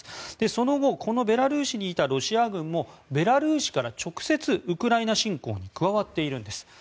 その後、このベラルーシにいたロシア軍もベラルーシから直接ウクライナ侵攻に加わっているんです。